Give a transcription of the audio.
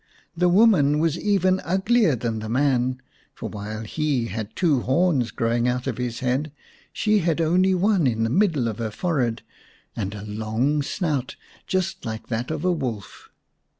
The woman was even uglier than the man, for while he had two horns growing out of his head she had one in the middle of her forehead, and a long snout just like 'that of a wolf.